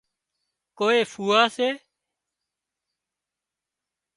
ڪوئي ڦوئا سي